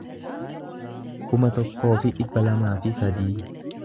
kuma tokkoo fi dhibba lamaa fi sadii